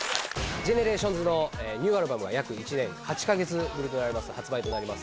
ＧＥＮＥＲＡＴＩＯＮＳのニューアルバムが約１年８か月ぶりとなります、発売となります。